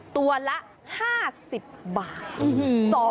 ตัวละ๕๐บาท